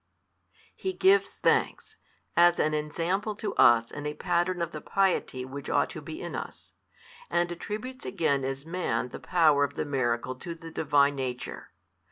He gives thanks, as an ensample to us and a pattern of the piety which ought to be in us: and attributes again as Man the Power of the miracle to the Divine Nature.